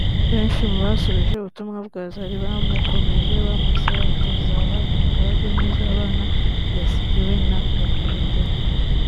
Benshi mu basubije ubutumwa bwa Zari bamukomeje bamusaba kuzaha umurage mwiza abana yasigiwe na nyakwigendera